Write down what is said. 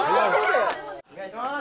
おねがいします！